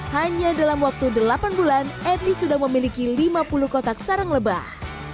hanya dalam waktu delapan bulan etnis sudah memiliki lima puluh kotak sarang lebah